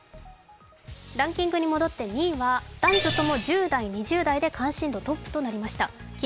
ランキングに戻って２位は男女とも１０代、２０代で関心度トップとなりました。